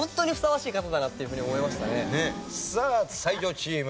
さあ才女チーム